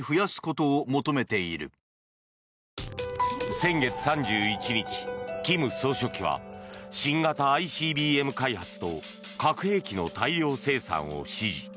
先月３１日、金総書記は新型ＩＣＢＭ開発と核兵器の大量生産を指示。